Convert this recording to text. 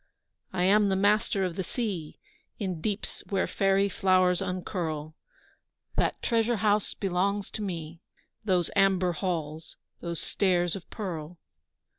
I am the master of the sea In deeps where fairy flowers uncurl; That treasure house belongs to me, Those amber halls, those stairs of pearl.